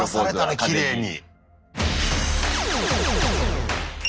きれいに。